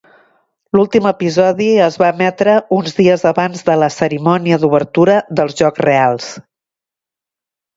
L'últim episodi es va emetre uns dies abans de la cerimònia d'obertura dels jocs reals.